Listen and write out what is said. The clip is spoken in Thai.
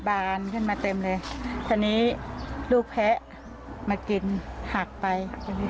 อันนี้ลูกแพ้มากินหักไป